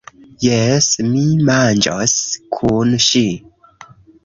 Jes, ni manĝos kun ŜI.